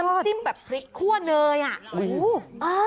จิ้มแบบพริกคั่วเนยอ่ะ